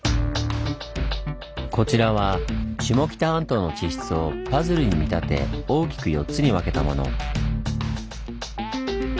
こちらは下北半島の地質をパズルに見立て大きく４つに分けたもの。